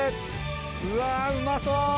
うわうまそう！